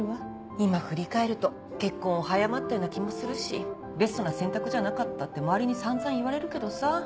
今振り返ると結婚を早まったような気もするしベストな選択じゃなかったって周りに散々言われるけどさ。